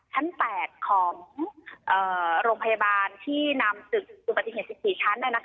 ชั้น๘ของโรงพยาบาลที่นำตึกสูตรปฏิเสธ๑๔ชั้น